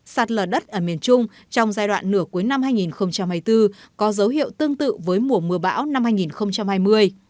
sạt lở đất ở miền trung trong giai đoạn nửa cuối năm hai nghìn hai mươi bốn có dấu hiệu tương tự với mùa mưa bão năm hai nghìn hai mươi